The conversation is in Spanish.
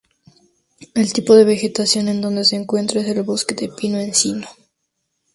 El tipo de vegetación en donde se encuentra es el Bosque de Pino-Encino.